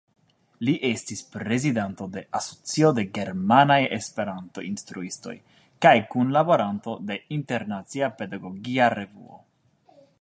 Li estis prezidanto de Asocio de Germanaj Esperanto-Instruistoj kaj kunlaboranto de "Internacia Pedagogia Revuo.